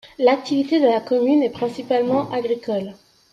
L'activité de la commune est principalement agricole.